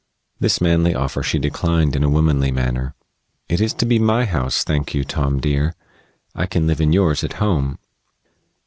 This manly offer she declined in a womanly manner. "It is to be my house, thank you, Tom, dear. I can live in yours at home."